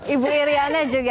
ibu iryana juga